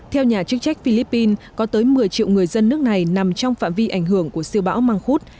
theo nhà chức trách philippines có tới một mươi triệu người dân nước này nằm trong phạm vi ảnh hưởng của siêu bão măng khuốt